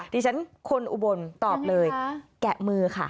ดิฉันคนอุบลตอบเลยแกะมือค่ะ